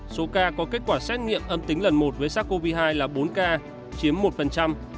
số ca có kết quả xét nghiệm âm tính lần một với sars cov hai là bốn ca chiếm một